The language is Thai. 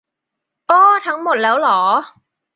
โอ้ ทั้งหมดแล้วหรอ